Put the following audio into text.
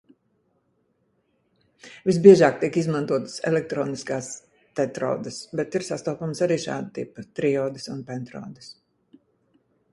Visbiežāk tiek izmantotas elektrometriskās tetrodes, bet ir sastopamas arī šāda tipa triodes un pentodes.